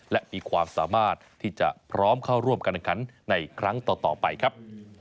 และมีความสามารถที่จะพร้อมเข้าร่วมการแข่งขันในครั้งต่อไปครับ